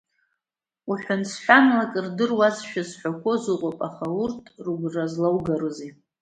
Уҳәан-сҳәанла акы рдыруашәа зҳәақәоз ыҟоуп, аха урҭ рыгәра злоугарызеи…